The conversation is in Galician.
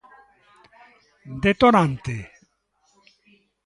Detonante?